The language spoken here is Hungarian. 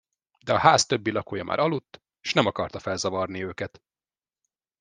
De a ház többi lakója már aludt, s nem akarta felzavarni őket.